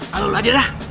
lalu lo aja dah